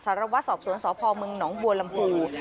สารวัตรสอบสวนสพมหนองบัวลำพู